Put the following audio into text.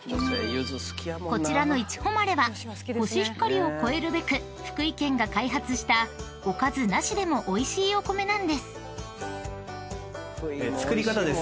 ［こちらのいちほまれはコシヒカリを超えるべく福井県が開発したおかずなしでもおいしいお米なんです］